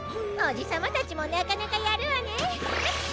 おじさまたちもなかなかやるわね。